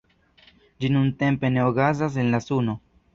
Ĝi nuntempe ne okazas en la Suno.